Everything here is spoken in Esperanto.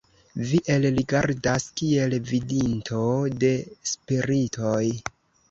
vi elrigardas, kiel vidinto de spiritoj!